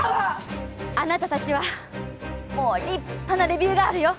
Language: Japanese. あなたたちはもう立派なレビューガールよ。